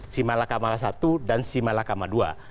si malakama satu dan si malakama dua